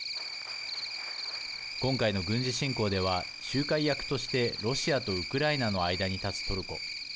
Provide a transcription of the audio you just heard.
今回の軍事侵攻では仲介役として、ロシアとウクライナの間に立つトルコ。